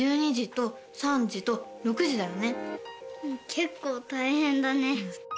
結構大変だね。